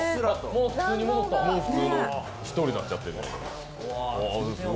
もう普通の１人になっちゃってる。